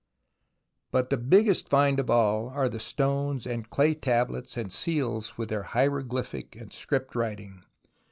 But the biggest find of all are the stones and clay tablets and seals with their hieroglyphic and script writing.